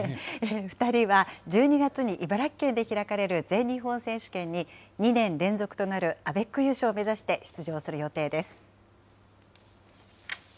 ２人は１２月に茨城県で開かれる全日本選手権に、２年連続となるアベック優勝を目指して出場する予定です。